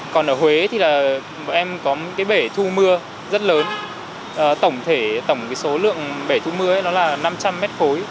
còn ở huế thì em có bể thu mưa rất lớn tổng số lượng bể thu mưa là năm trăm linh m ba